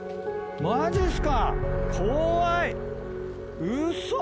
マジっすか怖い！